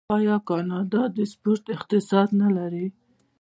آیا کاناډا د سپورت اقتصاد نلري؟